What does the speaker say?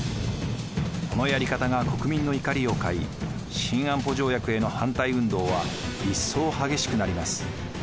このやり方が国民の怒りを買い新安保条約への反対運動は一層激しくなります。